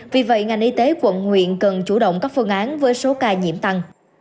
vì vậy ngành y tế quận nguyện cần chủ động các phương án với số ca nhiễm tăng